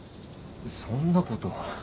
そんなこと。